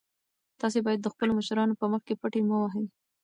تاسي باید د خپلو مشرانو په مخ کې پټې مه وهئ.